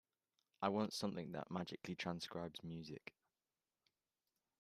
I want something that magically transcribes music.